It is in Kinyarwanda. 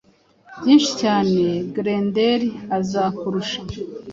Byinshi cyane Grendel azakurusha